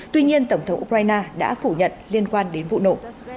tuy nhiên tổng thống ukraine đã phủ nhận liên quan đến vụ nổ